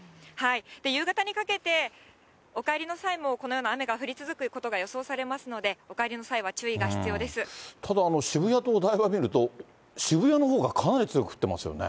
夕方にかけて、お帰りの際もこのような雨が降り続くことが予想されますので、ただ、渋谷とお台場見ると、渋谷のほうがかなり強く降ってますよね。